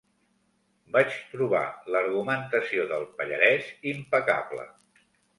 Vaig trobar l'argumentació del pallarès impecable.